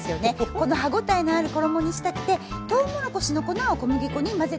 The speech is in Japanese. この歯応えのある衣にしたくてとうもろこしの粉を小麦粉に混ぜているんですね。